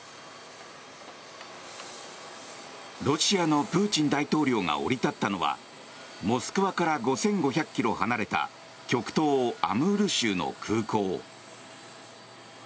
ロシアのプーチン大統領が降り立ったのはモスクワから５５００ｋｍ離れた極東アムール州の空港。